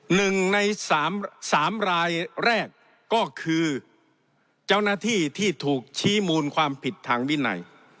หนึ่งในสามสามรายแรกก็คือเจ้าหน้าที่ที่ถูกชี้มูลความผิดทางวินัย